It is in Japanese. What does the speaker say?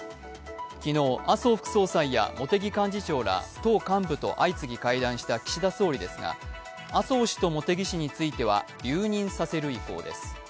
昨日、麻生副総裁や茂木幹事長ら党幹部と相次ぎ会談した岸田総理ですが麻生氏と茂木氏については留任させる意向です。